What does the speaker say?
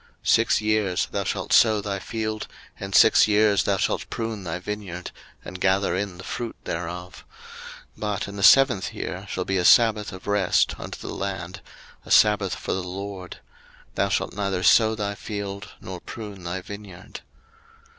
03:025:003 Six years thou shalt sow thy field, and six years thou shalt prune thy vineyard, and gather in the fruit thereof; 03:025:004 But in the seventh year shall be a sabbath of rest unto the land, a sabbath for the LORD: thou shalt neither sow thy field, nor prune thy vineyard.